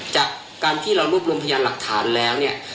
จากการที่เรารวบรวมพยานหลักฐานแล้วเนี่ย